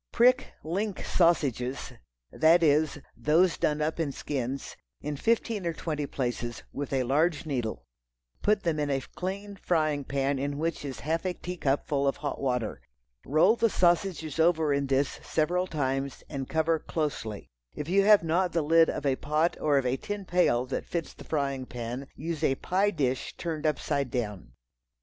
Prick "link" sausages—that is, those done up in skins, in fifteen or twenty places, with a large needle; put them in a clean frying pan in which is a half a teacup full of hot water. Roll the sausages over in this several times and cover closely. If you have not the lid of a pot or of a tin pail that fits the frying pan, use a pie dish turned upside down.